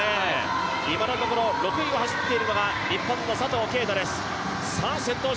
今のところ６位を走っているのが日本の佐藤圭汰です。